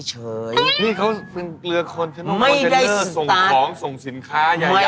นี่เขาเป็นเรือส่องของสินค้าใหญ่